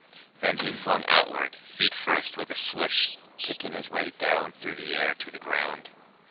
Then he flung outward, feet first, with a swish, Kicking his way down through the air to the ground.